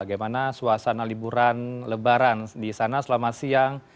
bagaimana suasana liburan lebaran di sana selama siang